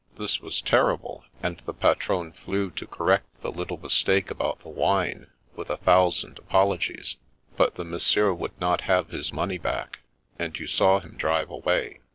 This was terrible; and the patron flew to correct the little mistake about the wine, with a thousand apologies; but the monsieur would not have his money back, and you saw him drive away.